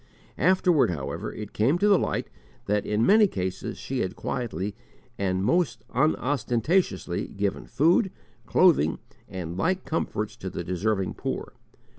Afterward, however, it came to the light that in many cases she had quietly and most unostentatiously given food, clothing, and like comforts to the deserving poor.